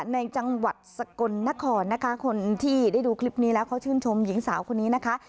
ในจังหวัดสกลนครนะคะคนที่ได้ดูคลิปนี้แล้วเขาชื่นชมหญิงสาวคนนี้นะคะ